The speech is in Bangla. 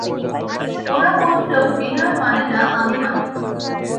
গোরা কহিল, বিনয় মানে না, আমি মানি।